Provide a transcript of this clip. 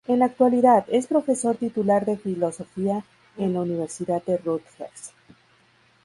En la actualidad, es profesor titular de Filosofía en la Universidad de Rutgers.